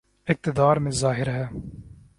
اقتدار میں ظاہر ہے۔